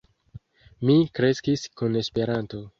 Mi kreskis kun Esperanto.